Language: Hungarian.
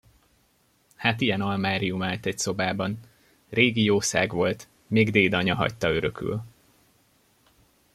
Hát ilyen almárium állt egy szobában; régi jószág volt, még dédanya hagyta örökül.